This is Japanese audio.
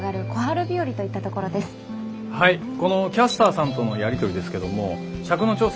このキャスターさんとのやり取りですけども尺の調整